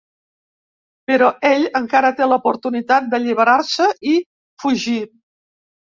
Però ell, encara té l'oportunitat d'alliberar-se i fugir.